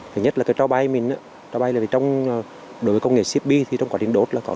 thứ nhất là cái cho bay mình cho bay là trong đối với công nghệ cpi thì trong quá trình đốt là có đốt